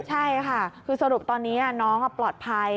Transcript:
ใช่ค่ะคือสรุปตอนนี้น้องปลอดภัย